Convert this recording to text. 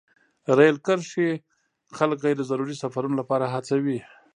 رېل کرښې خلک غیر ضروري سفرونو لپاره هڅوي.